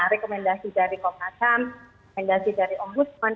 rekomendasi dari komnasam rekomendasi dari om busman